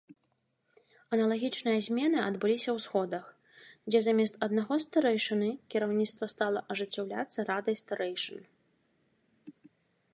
Аналагічныя змены адбыліся ў сходах, дзе замест аднаго старэйшыны кіраўніцтва стала ажыццяўляцца радай старэйшын.